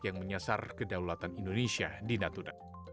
yang menyasar kedaulatan indonesia di natuna